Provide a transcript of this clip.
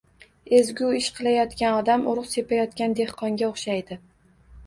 Ezgu ish qilayotgan odam urug‘ sepayotgan dehqonga o‘xshaydi.